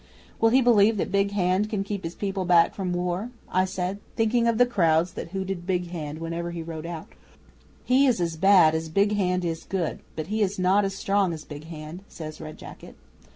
'"Will he believe that Big Hand can keep his people back from war?" I said, thinking of the crowds that hooted Big Hand whenever he rode out. '"He is as bad as Big Hand is good, but he is not as strong as Big Hand," says Red Jacket.